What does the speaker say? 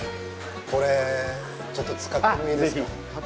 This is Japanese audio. これ、ちょっと使ってもいいですか？